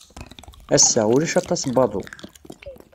Ass-a, ulac aṭas n waḍu.